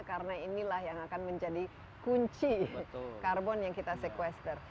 karena inilah yang akan menjadi kunci karbon yang kita sequester